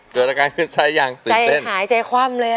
เผื่อราการขึ้นไส้อย่างตื่นเต้น